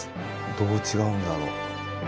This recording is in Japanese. どう違うんだろう。